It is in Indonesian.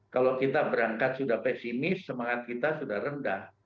kalau kita berangkat sudah pesimis semangat kita sudah rendah